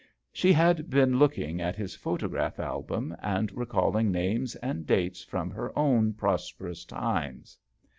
She had been looking at his photograph album, and recalling names and dates from her own prosperous times.